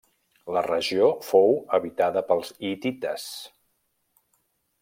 La regió fou habitada pels hitites.